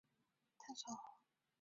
现在更需要提倡大胆探索。